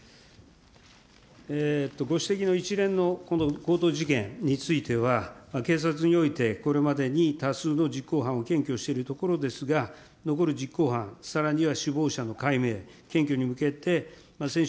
ご指摘の一連の強盗事件については、警察においてこれまでに多数の実行犯を検挙しているところですが、残る実行犯、さらには首謀者の解明、検挙に向けて先週、